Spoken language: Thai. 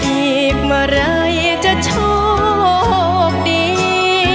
อีกเมื่อไรจะชอบดี